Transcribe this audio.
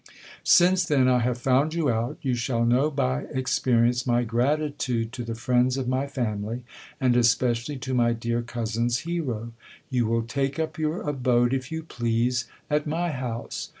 Since then I have fDund you out, you shall know by experience my gratitude to the friends of my f imily, and especially to my dear cousin's hero. ' You will take up your abode, i ■" you please, at my house.